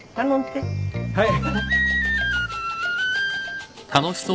はい！